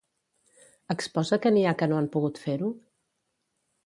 Exposa que n'hi ha que no han pogut fer-ho?